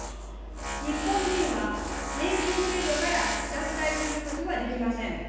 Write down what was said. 日本人は年金制度から脱退することはできません。